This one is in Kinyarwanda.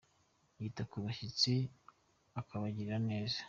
Yita ku bashyitsi akabagirira neza ;